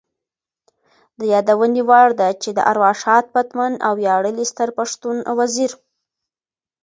د یادونې وړ ده چې د ارواښاد پتمن او ویاړلي ستر پښتون وزیر